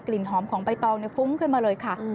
ลิ่นหอมของใบตองในฟุ้งขึ้นมาเลยค่ะ